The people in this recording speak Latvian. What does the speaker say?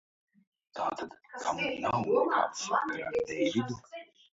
Tātad tam nav nekāda sakara ar Deividu?